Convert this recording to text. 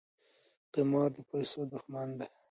قمار د پیسو دښمن دی.